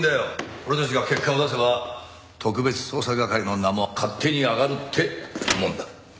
俺たちが結果を出せば特別捜査係の名も勝手に上がるってもんだ。